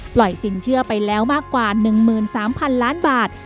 สินเชื่อไปแล้วมากกว่า๑๓๐๐๐ล้านบาท